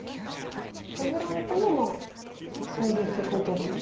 破られてもまあそれで一局打とうという。